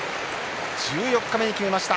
十四日目に決めました。